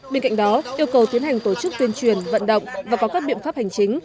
bên cạnh đó yêu cầu tiến hành tổ chức tuyên truyền vận động và có các biện pháp hành chính